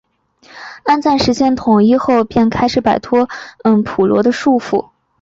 安赞实现统一后便开始摆脱暹罗的束缚。